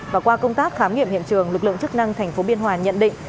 và qua công tác khám nghiệm hiện trường lực lượng chức năng tp biên hòa nhận định